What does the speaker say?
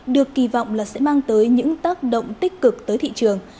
được kỳ vọng là sẽ mang tới những tác động tích cực tới thị trường